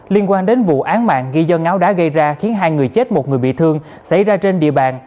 liên quan đến vụ án mạng ghi do ngáo đá gây ra khiến hai người chết một người bị thương xảy ra trên địa bàn